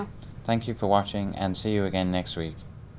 hẹn gặp lại quý vị trong các chương trình tiếp theo